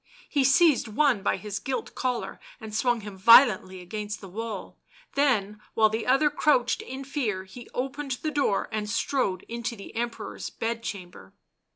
He seized one by his gilt collar, and swung him violently against the wall, then, while the other crouched in fear, he opened the door and strode into the Emperor's bed chamber.